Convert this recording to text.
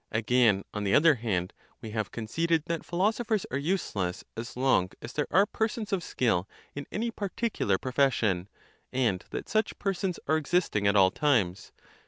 Again, on the other hand, we have conceded that philosophers are useless, as long as there are per sons of skill in any particular profession ; and that such per sons are existing at all times.